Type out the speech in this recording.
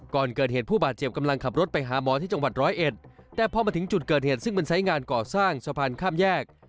ก่อนเกิดเหตุผู้บาดเจ็บกำลังขับรถไปหาหมอที่จังหวัดร้อยเอ็ดแต่พอมาถึงจุดเกิดเหตุซึ่งมันไซส์งานก่อสร้างสะพานข้ามแยก